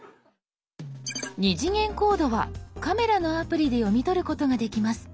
２次元コードはカメラのアプリで読み取ることができます。